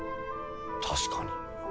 確かに。